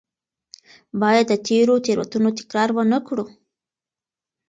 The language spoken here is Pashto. باید د تېرو تېروتنو تکرار ونه کړو.